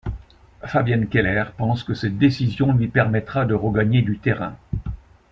Fabienne Keller pense que cette décision lui permettra de regagner du terrain.